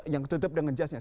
yang ditutup dengan jasnya